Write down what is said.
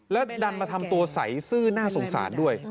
แล้วดันมาทำตัวใสซื่อน่าสงสารด้วย